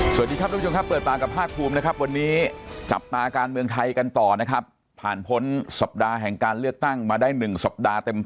สวัสดีครับทุกผู้ชมครับเปิดปากกับภาคภูมินะครับวันนี้จับตาการเมืองไทยกันต่อนะครับผ่านพ้นสัปดาห์แห่งการเลือกตั้งมาได้๑สัปดาห์เต็ม